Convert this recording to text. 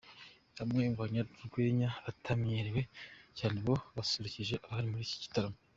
Bamwe mu banyarwenya batamenyerewe cyane nabo basusurukije abari muri iki gitaramo.